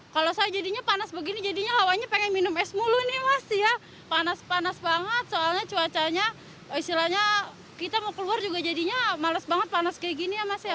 kalau saya jadinya panas begini jadinya hawanya pengen minum es mulu nih mas ya panas panas banget soalnya cuacanya istilahnya kita mau keluar juga jadinya males banget panas kayak gini ya mas ya